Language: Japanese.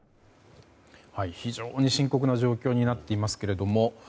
非常に深刻な状況になっていますけども。